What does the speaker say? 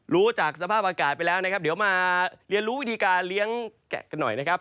รู้จากสภาพอากาศไปแล้วนะครับเดี๋ยวมาเรียนรู้วิธีการเลี้ยงแกะกันหน่อยนะครับ